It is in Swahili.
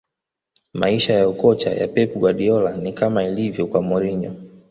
maisha ya ukocha ya pep guardiola ni kama ilivyo kwa mourinho